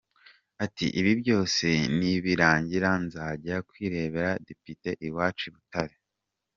Ati ibi byose nibirangira nzajya kwibera député iwacu i Butare.